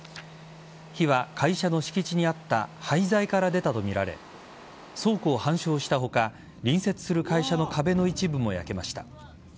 火は、会社の敷地にあった廃材から出たとみられ倉庫を半焼した他隣接する会社の壁の一部も焼けました。